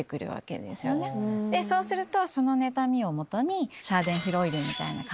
そうすると。